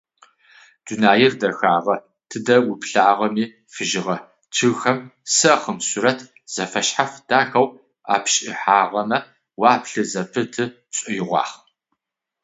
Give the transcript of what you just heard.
Дунаир дэхагъэ: тыдэ уплъагъэми фыжьыгъэ, чъыгхэм сэхъым сурэт зэфэшъхьаф дахэу апишӏахьыгъэмэ уяплъы зэпыты пшӏоигъуагъ.